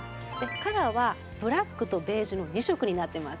カラーはブラックとベージュの２色になってます。